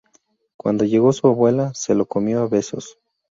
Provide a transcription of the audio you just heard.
Cuando llegó su abuela, se lo comió a besos